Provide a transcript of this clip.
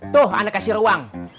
tuh ana kasih ruang